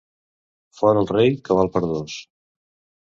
Fora el rei, que val per dos.